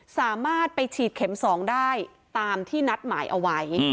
สามารถไปฉีดเข็ม๒ได้ตามที่นัดหมายเอาไว้